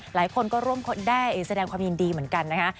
หลายคนก็ร่วมได้แสดงความยินดีเหมือนกันนะคะ